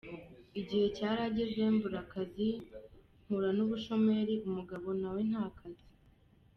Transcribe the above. igihe cyarageze mbura akazi mpura n’ubushomeri umugabo nawe ntakazi.